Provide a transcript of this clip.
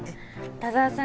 田沢さん